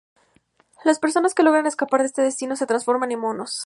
Las personas que logran escapar de este destino se transforman en monos.